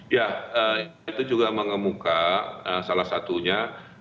ya itu juga mengemuka salah satunya